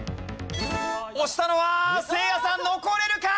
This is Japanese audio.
押したのはせいやさん残れるか！？